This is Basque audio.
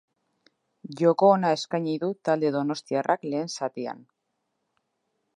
Joko ona eskaini du talde donostiarrak lehen zatian.